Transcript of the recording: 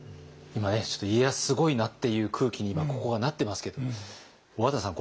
今ねちょっと家康すごいなっていう空気にここがなってますけども小和田さん